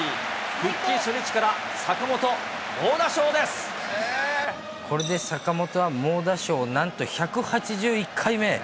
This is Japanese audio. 復帰初日から坂本、これで坂本は猛打賞、なんと１８１回目。